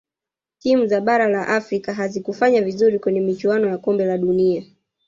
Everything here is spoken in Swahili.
timu za bara la afrika hazikufanya vizuri kwenye michuano ya kombe la dunia